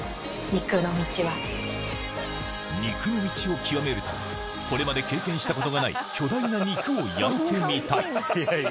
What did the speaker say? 肉の道を極めるためこれまで経験したことがない巨大な肉を焼いてみたい